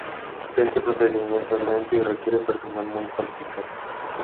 Este procedimiento es lento y requiere personal muy cualificado.